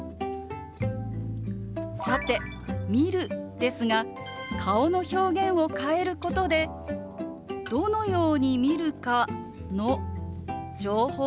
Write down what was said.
さて「見る」ですが顔の表現を変えることでどのように見るかの情報を加えることができるんです。